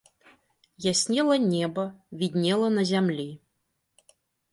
Яснела неба, вiднела на зямлi.